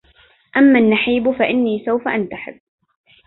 أما النحيب فإني سوف أنتحب